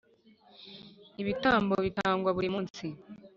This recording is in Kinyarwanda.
Ibitambo bitangwa burimunsi.